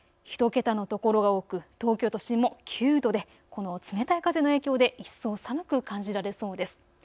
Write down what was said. １桁の所が多く東京都心も９度で冷たい風の影響で一層寒く感じられそうです。